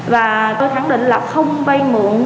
và tôi thẳng định là không vai mượn